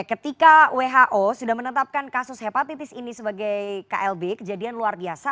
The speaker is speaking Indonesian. ketika who sudah menetapkan kasus hepatitis ini sebagai klb kejadian luar biasa